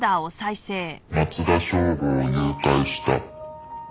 「松田省吾を誘拐した」